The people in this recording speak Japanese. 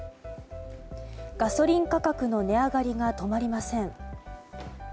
ガソリン価格の値上がりが止まりません。